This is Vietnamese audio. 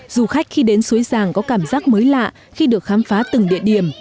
du khách khi đến xôi giang có cảm giác mới lạ khi được khám phá từng địa điểm